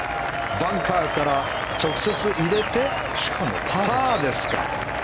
バンカーから直接入れてパーですか。